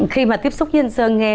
khi mà tiếp xúc với anh sơn nghe